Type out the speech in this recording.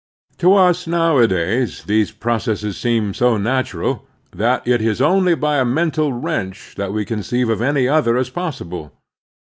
To us nowadays these processes seem so natural that it is only by a mental wrench that we con ceive of any other as possible.